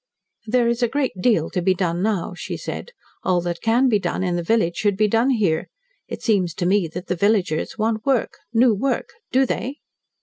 "There is a great deal to be done now," she said. "All that can be done in the village should be done here. It seems to me that the villagers want work new work. Do they?"